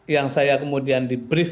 yang saya kemudian di brief